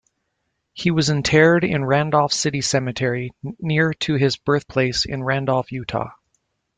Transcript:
He was interred in Randolph City Cemetery, near to his birthplace in Randolph, Utah.